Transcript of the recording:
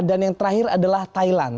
dan yang terakhir adalah thailand